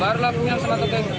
baru lapunya sama temen